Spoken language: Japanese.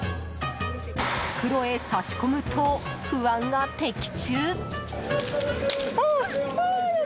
袋へ差し込むと、不安が的中。